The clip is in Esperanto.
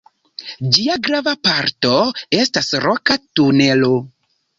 Ĝia grava parto estas Roka tunelo.